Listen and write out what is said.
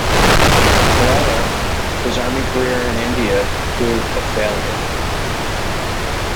However, his army career in India proved a failure.